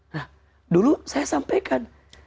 nah dulu saya sampaikan